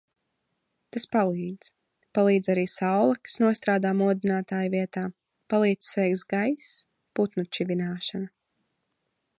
Tas palīdz. Palīdz arī saule, kas nostrādā modinātāja vietā. Palīdz svaigs gaiss, putnu čivināšana.